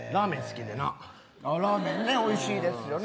ラーメンおいしいですよね。